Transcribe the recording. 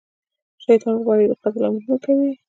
شیطان ورباندې د قتل امرونه کوي.